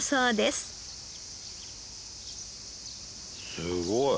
すごい！